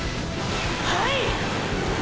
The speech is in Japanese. はい！！